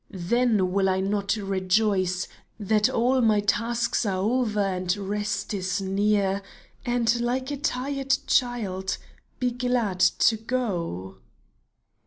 Then will I not rejoice That all my tasks are o'er and rest is near, And, like a tired child, be glad to go